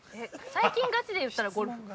◆最近ガチで言ったらゴルフ。